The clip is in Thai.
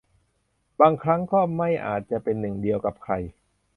บางครั้งก็ไม่อาจจะเป็นหนึ่งเดียวกับใคร